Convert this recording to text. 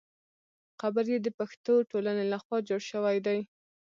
قبر یې د پښتو ټولنې له خوا جوړ شوی دی.